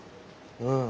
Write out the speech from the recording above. うん。